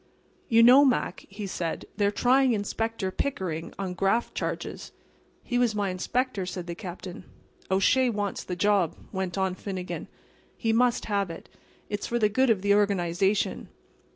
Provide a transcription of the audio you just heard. "You know, Mac," he said, "they're trying Inspector Pickering on graft charges." "He was my inspector," said the Captain. "O'Shea wants the job," went on Finnegan. "He must have it. It's for the good of the organization.